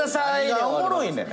何がおもろいねん。